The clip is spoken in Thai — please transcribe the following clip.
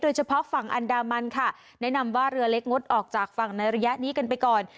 เฉพาะฝั่งอันดามันค่ะแนะนำว่าเรือเล็กงดออกจากฝั่งในระยะนี้กันไปก่อน